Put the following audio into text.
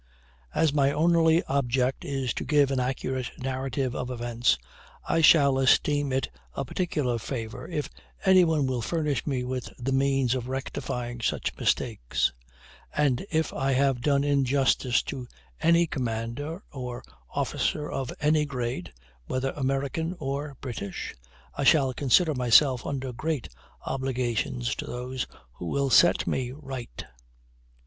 As my only object is to give an accurate narrative of events, I shall esteem it a particular favor if any one will furnish me with the means of rectifying such mistakes; and if I have done injustice to any commander, or officer of any grade, whether American or British, I shall consider myself under great obligations to those who will set me right.